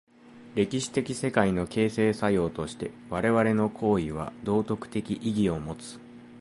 歴史的世界の形成作用として我々の行為は道徳的意義を有つ。